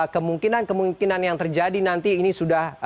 kemungkinan kemungkinan yang terjadi nanti ini sudah